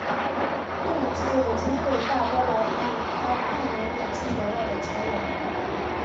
电影制作的经费大多来自他电影演出得到的酬劳。